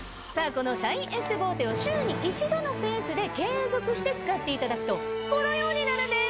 このシャインエステボーテを週に１度のペースで継続して使っていただくとこのようになるんです。